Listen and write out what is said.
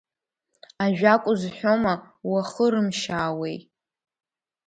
Ажәак узҳәома, уахырымшьаауеи!